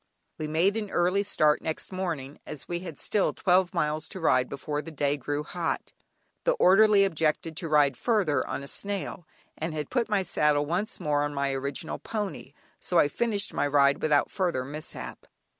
We made an early start next morning, as we had still twelve miles to ride before the day grew hot. The orderly objected to ride further on a snail, and had put my saddle once more on my original pony, so I finished my ride without further mishap.